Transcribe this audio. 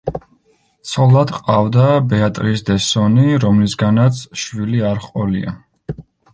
ცოლად ჰყავდა ბეატრის დე სონი, რომლისგანაც შვილი არ ჰყოლია.